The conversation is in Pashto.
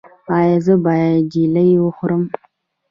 ایا زه باید جیلې وخورم؟